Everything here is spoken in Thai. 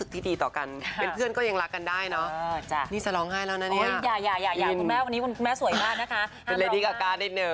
ที่ทุกคนเป็นวันนี้มาให้กำลังใจขอบคุณมากนะคะ